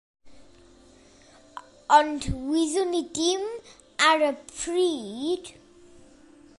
Ond wyddwn i ddim ar y pryd.